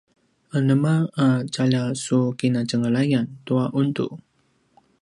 anema a tjaljasukinatjenglayan tua ’undu?